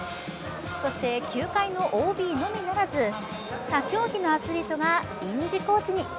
そして球界のＯＢのみならず、他競技のアスリートが臨時コーチに。